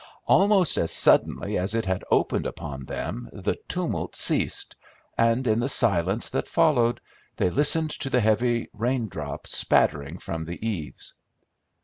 Almost as suddenly as it had opened upon them the tumult ceased, and in the silence that followed they listened to the heavy raindrops spattering from the eaves.